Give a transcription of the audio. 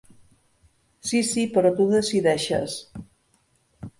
Sí, sí, però tu decideixes.